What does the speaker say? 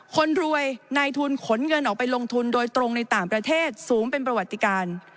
คนรวยนายทุนขนเงินออกไปลงทุนโดยตรงในต่างประเทศสูงเป็นประวัติการ